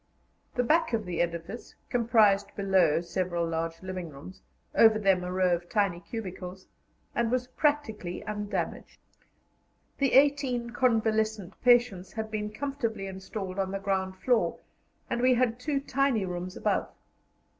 The back of the edifice comprised below several large living rooms, over them a row of tiny cubicles, and was practically undamaged. The eighteen convalescent patients had been comfortably installed on the ground floor, and we had two tiny rooms above.